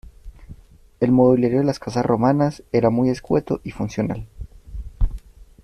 El mobiliario de las casas romanas era muy escueto y funcional.